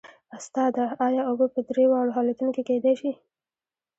استاده ایا اوبه په درې واړو حالتونو کې کیدای شي